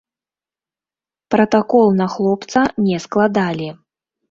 Пратакол на хлопца не складалі.